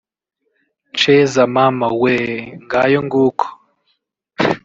Ceza mama weeee ngayo nguko